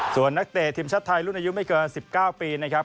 ส่วนนักเตะทีมชาติไทยรุ่นอายุไม่เกิน๑๙ปีนะครับ